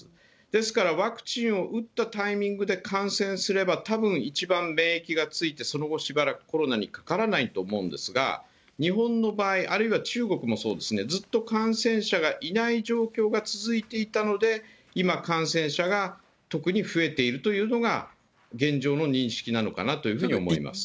ですからワクチンを打ったタイミングで感染すればたぶん、一番免疫がついて、その後しばらくコロナにかからないと思うんですが、日本の場合、あるいは中国もそうですね、ずっと感染者がいない状況が続いていたので、今感染者が特に増えているというのが現状の認識なのかなというふうに思います。